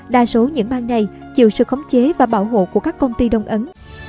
đa số những bang này chịu sự khống chế và bảo hộ của các công ty đông ấn